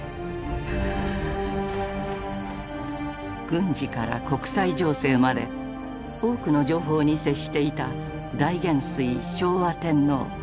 軍事から国際情勢まで多くの情報に接していた大元帥昭和天皇。